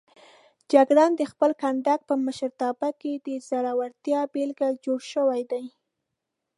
جګړن د خپل کنډک په مشرتابه کې د زړورتیا بېلګه جوړ شوی دی.